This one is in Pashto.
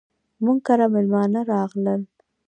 موږ کره ميلمانه راغلل.